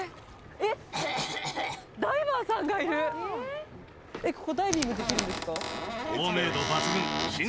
えっここダイビングできるんですか？